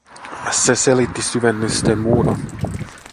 Se selitti syvennysten muodon.